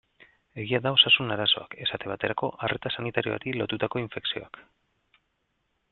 Egia da osasun arazoak, esate baterako arreta sanitarioari lotutako infekzioak.